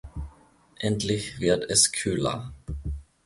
Endlich wird es kühler.